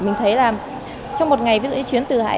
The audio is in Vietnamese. mình thấy trong một ngày đi chuyến từ hải